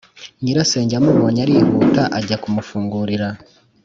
nyirasenge amubonye arihuta ajya kumufungurira